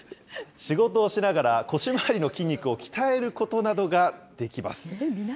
仕事をしながら腰回りの筋肉を鍛えることなどができます。